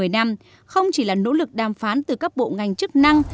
một mươi năm không chỉ là nỗ lực đàm phán từ các bộ ngành chức năng